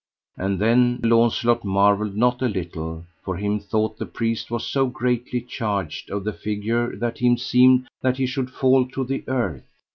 And then Launcelot marvelled not a little, for him thought the priest was so greatly charged of the figure that him seemed that he should fall to the earth.